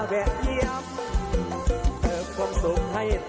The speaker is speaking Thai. ขอบคุณค่ะ